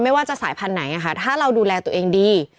ไม่ว่าจะสายพันธุ์ไหนถ้าเราดูแลตัวเองดี